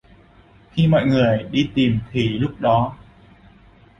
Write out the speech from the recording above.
Khi mọi người đi tìm thì lúc đó